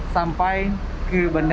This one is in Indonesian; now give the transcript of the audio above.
sampai ke bandara soekarno hatta